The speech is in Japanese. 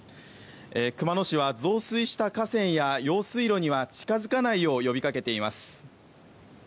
熊野市は増水した河川や用水路には近づかないよう呼びかけています。